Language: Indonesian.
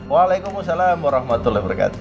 waalaikumsalam warahmatullahi wabarakatuh